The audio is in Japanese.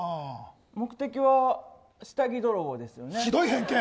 目的は、下着泥棒ですね？